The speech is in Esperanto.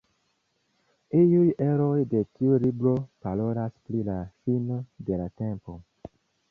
Iuj eroj de tiu libro parolas pri la fino de la tempo.